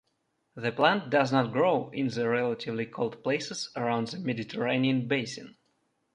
The plant does not grow in the relatively cold places around the Mediterranean basin.